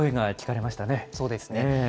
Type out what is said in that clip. そうですね。